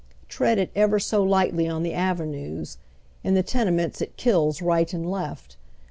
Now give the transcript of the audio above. Tread it ever so lightly on the avenues, in the tenements it kills right and left.